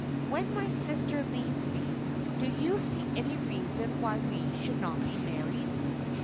When my sister leaves me, do you see any reason why we should not be married?"